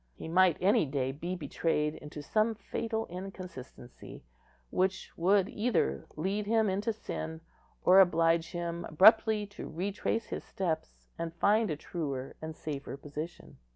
He might any day be betrayed into some fatal inconsistency, which would either lead him into sin, or oblige him abruptly to retrace his steps, and find a truer and safer position.